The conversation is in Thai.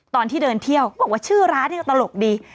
ตอนที่เดินเที่ยวเขาบอกว่าชื่อร้านนี่ก็ตลกดี